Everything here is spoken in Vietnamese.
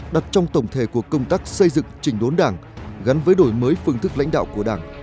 đặt trong tổng thể của công tác xây dựng trình đốn đảng gắn với đổi mới phương thức lãnh đạo của đảng